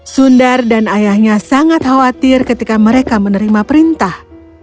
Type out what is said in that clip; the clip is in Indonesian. sundar dan ayahnya sangat khawatir ketika mereka menerima perintah